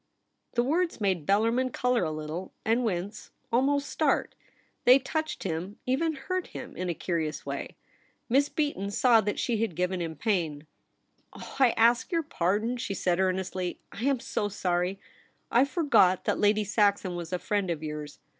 The words made Bellarmin colour a little and wince — almost start. They touched him, even hurt him, in a curious way. Miss Beaton saw that she had given him pain. ' Oh, I ask your pardon !' she said earnestly. * I am so sorry — I forgot that Lady Saxon was a friend of yours.